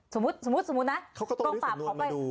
สมมุตินะเขาก็ต้องริ้วสำนวนมาดู